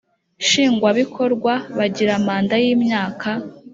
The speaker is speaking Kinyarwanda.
Nshingwabikorwa bagira manda y,imyaka